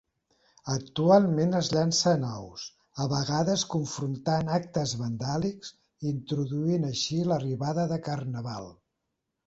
Actualment es llancen ous, a vegades confrontant actes vandàlics, introduint així l'arribada de carnaval.